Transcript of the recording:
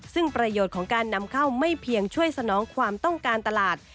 ซึ่งประโยชน์ของการนำเข้าไม่เพียงช่วยสนองความต้องการตลาด